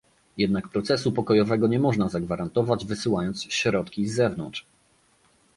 Jednak procesu pokojowego nie można zagwarantować wysyłając środki z zewnątrz